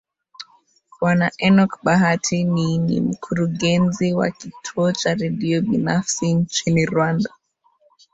bwana enock bahati ni ni mkurugenzi wa kituo cha redio binafsi nchini rwanda